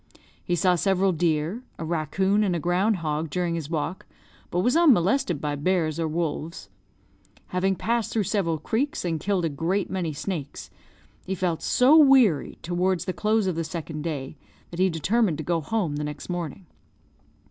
He saw several deer, a raccoon, and a ground hog, during his walk, but was unmolested by bears or wolves. Having passed through several creeks, and killed a great many snakes, he felt so weary towards the close of the second day that he determined to go home the next morning.